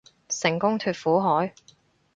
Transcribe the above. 成功脫苦海